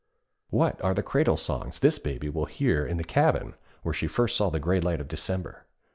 What are the cradle songs this Baby will hear in the cabin where she first saw the gray light of December?